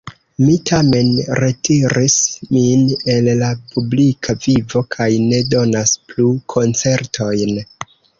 Mi tamen retiris min el la publika vivo kaj ne donas plu koncertojn.